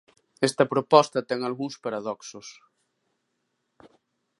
Esta proposta ten algúns paradoxos.